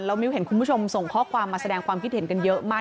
มิ้วเห็นคุณผู้ชมส่งข้อความมาแสดงความคิดเห็นกันเยอะมาก